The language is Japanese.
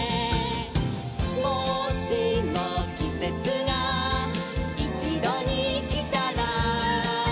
「もしもきせつがいちどにきたら」